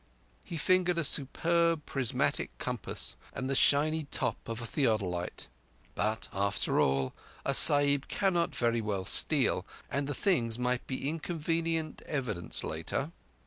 He fingered a superb prismatic compass and the shiny top of a theodolite. But after all, a Sahib cannot very well steal, and the things might be inconvenient evidence later.